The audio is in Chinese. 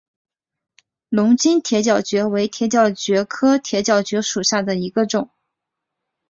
龙津铁角蕨为铁角蕨科铁角蕨属下的一个种。